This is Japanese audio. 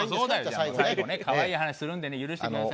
最後ね可愛い話するんでね許してください。